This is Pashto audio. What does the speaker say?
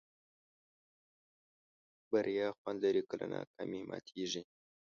بریا خوند لري کله ناکامي ماتېږي.